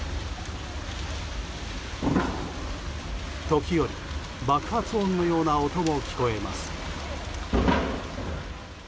時折、爆発音のような音も聞こえます。